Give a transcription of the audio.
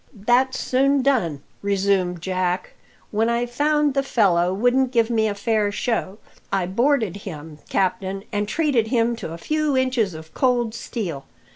"That's soon done," resumed Jack. "When I found the fellow wouldn't give me a fair show, I boarded him, captain, and treated him to a few inches of cold steel.